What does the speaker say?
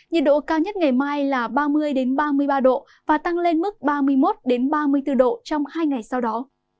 nhiệt độ cao nhất ngày mai là ba mươi ba mươi ba độ và tăng lên mức ba mươi một ba mươi bốn độ trong hai ngày sau đó